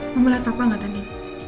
mau liat papa gak tadi